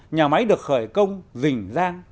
nhà máy được khởi công dình rang